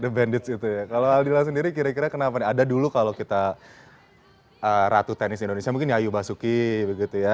the bandit itu ya kalau aldila sendiri kira kira kenapa nih ada dulu kalau kita ratu tenis indonesia mungkin yayu basuki begitu ya